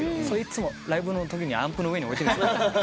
それいつもライブのときにアンプの上に置いてる。